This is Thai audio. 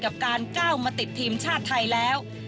กับการก้าวมาติดทีมชาติไทยแล้ว